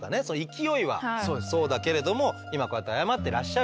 勢いはそうだけれども今こうやって謝ってらっしゃるんで。